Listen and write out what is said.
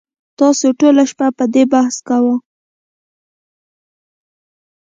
تاسو ټوله شپه په دې بحث کاوه